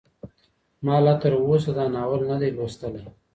ما لا تر اوسه دا ناول نه دی لوستلی.